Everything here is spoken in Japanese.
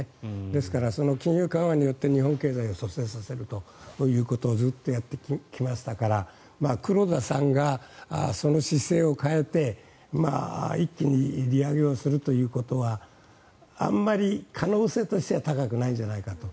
ですから、金融緩和によって日本経済を蘇生させるということをずっとやってきましたから黒田さんがその姿勢を変えて一気に利上げをするということはあまり可能性としては高くないんじゃないかと。